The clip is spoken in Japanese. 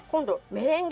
メレンゲ？